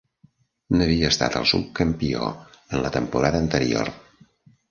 N'havia estat el subcampió en la temporada anterior.